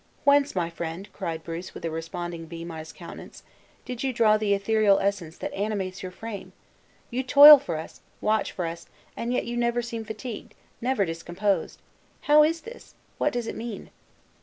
"Whence, my friend," cried Bruce, with a respondent beam on his countenance, "did you draw the ethereal essence that animates your frame? You toil for us watch for us, and yet you never seem fatigued, never discomposed! How is this? What does it mean?"